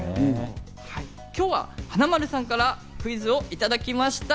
今日は華丸さんからクイズをいただきました。